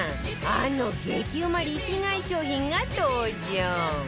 あの激うまリピ買い商品が登場